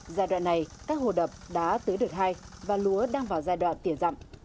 giờ này các hồ đập đã tưới đợt hai và lúa đang vào giai đoạn tỉa dặm